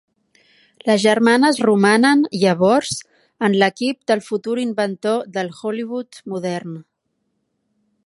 Les germanes romanen, llavors, en l'equip del futur inventor del Hollywood modern.